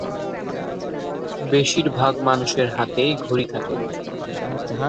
বেশির ভাগ মানুষের হাতেই ঘড়ি থাকে।